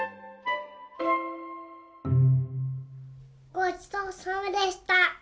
ごちそうさまでした！